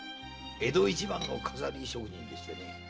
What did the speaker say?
江戸一番の錺り職人でして。